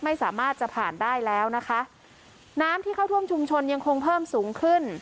ไม่สามารถจะผ่านได้แล้วนะคะน้ำที่เข้าท่วมชุมชนยังคงเพิ่มสูงขึ้น